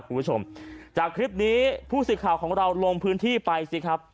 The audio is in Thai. คุณผู้ชมจากคลิปนี้ผู้สื่อข่าวของเราลงพื้นที่ไปสิครับ